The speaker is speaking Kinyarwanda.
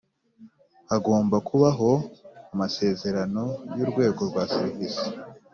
Hagomba kubaho amasezerano y urwego rwa serivisi